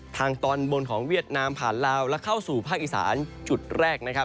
ทางตอนบนของเวียดนามผ่านลาวและเข้าสู่ภาคอีสานจุดแรกนะครับ